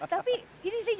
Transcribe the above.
ganteng ganteng sekali ya